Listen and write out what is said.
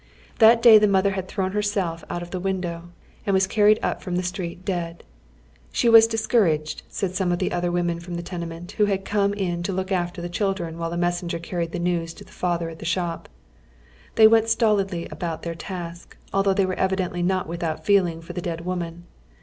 That day the mother had thrown lierself out of the window, and was carried up from the street dead. She was "discouraged," said some of t!ie other women from the tenement, who had come in to look after the children while a messenger carried the news to the father at the shop. They went stolidly about their task, although they were evidently not without feeling for the dead wom an.